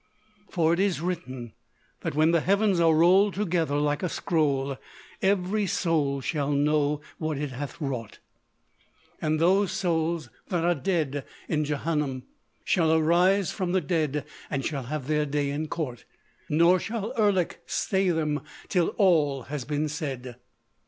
"For it is written that when the heavens are rolled together like a scroll, every soul shall know what it hath wrought. "And those souls that are dead in Jehannum shall arise from the dead, and shall have their day in court. Nor shall Erlik stay them till all has been said.